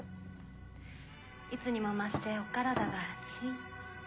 いつにも増してお体が熱い。